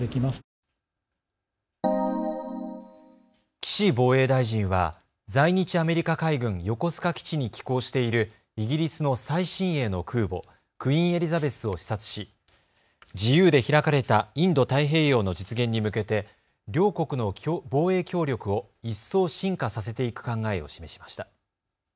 岸防衛大臣は在日アメリカ海軍横須賀基地に寄港しているイギリスの最新鋭の空母クイーン・エリザベスを視察し自由で開かれたインド太平洋の実現に向けて両国の防衛協力を一層深化させていく考えを示しました。